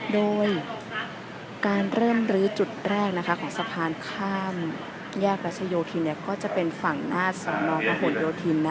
โดยการเริ่มลื้อจุดแรกของสะพานข้ามแยกรัชโยธินก็จะเป็นฝั่งหน้าสอนอพหนโยธิน